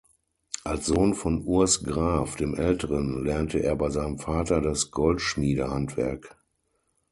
Als Sohn von Urs Graf dem Älteren lernte er bei seinem Vater das Goldschmiedehandwerk.